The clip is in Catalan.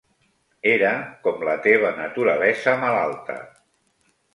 Era com la teva naturalesa malalta.